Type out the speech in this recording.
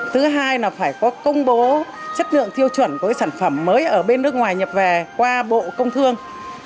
thứ hai là phải có công bố chất lượng tiêu chuẩn với sản phẩm mới ở bên nước ngoài nhập về qua bộ công thương